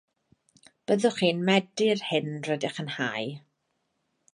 Byddwch yn medi'r hyn rydych yn hau